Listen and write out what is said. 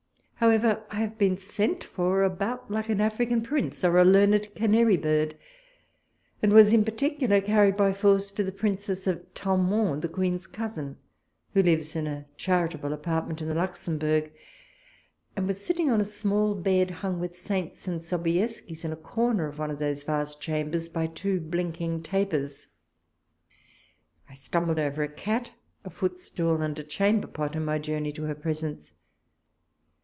However, I have been sent for about like an African prince, or a learned canary bird, and was, in particular, carried by force to the Prin cess of Talmond, the Queen's cousin, who lives in a charitable apartment in the Luxembourg, and was sitting on a small bed hung with saints and Sobieskis, in a corner of one of those vast chambers, by two blinking tapers. I stumbled over a cat and a footstool in my joui'ney to her presence.